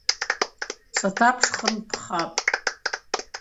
Сатапшхын – пхапӏ.